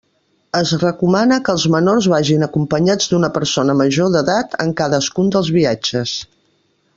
Es recomana que els menors vagin acompanyats d'una persona major d'edat en cadascun dels viatges.